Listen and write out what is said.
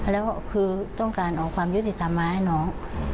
แล้วก็คือต้องการเอาความยุติธรรมมาให้น้อง